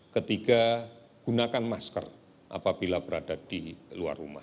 ketiga gunakan masker apabila berada di luar rumah